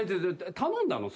頼んだの？